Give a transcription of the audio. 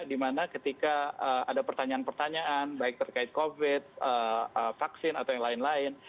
dimana ketika ada pertanyaan pertanyaan baik terkait covid vaksin atau yang lain lain